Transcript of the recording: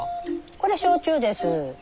これ焼酎です。